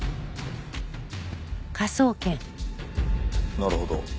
なるほど。